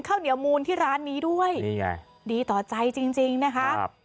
ข้าวเหนียวมูลที่ร้านนี้ด้วยนี่ไงดีต่อใจจริงจริงนะคะครับ